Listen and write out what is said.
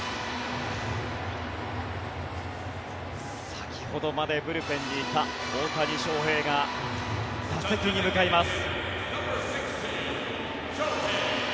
先ほどまでブルペンにいた大谷翔平が打席に向かいます。